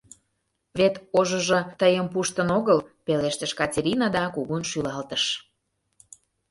Вет ожыжо тыйым пуштын огыл, — пелештыш Катерина да кугун шӱлалтыш.